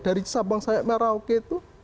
dari sabang sampai merauke itu